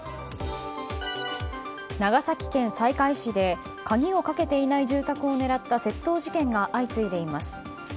長崎県西海市で鍵をかけていない住宅を狙った窃盗事件が相次いでいます。